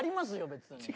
別に。